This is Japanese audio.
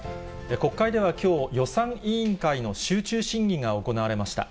国会ではきょう、予算委員会の集中審議が行われました。